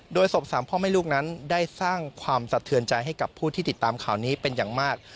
โดยศพสามพ่อแม่ลูกนั้นได้สร้างความสะเทือนใจให้กับผู้ที่ติดตามข่าวนี้เป็นอย่างมาก